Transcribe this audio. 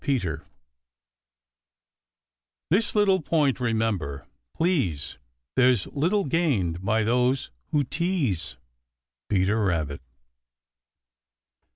PETER This little point remember, please There's little gained by those who tease. Peter Rabbit.